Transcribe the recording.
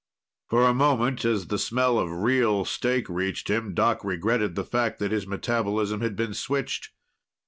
For a moment, as the smell of real steak reached him, Doc regretted the fact that his metabolism had been switched.